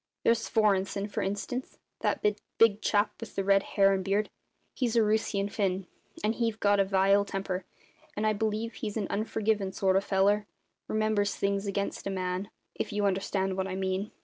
There's Svorenssen, for instance that big chap with the red hair and beard he's a Roosian Finn; and he've got a vile temper, and I believe he's an unforgivin' sort of feller, remembers things against a man if you understand what I mean.